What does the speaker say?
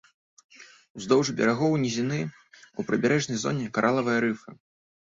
Уздоўж берагоў нізіны, у прыбярэжнай зоне каралавыя рыфы.